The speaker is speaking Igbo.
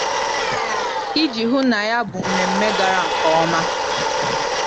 iji hụ na ya bụ mmemme gara nke ọma.